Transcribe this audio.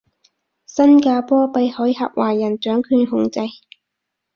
星加坡被海峽華人掌權控制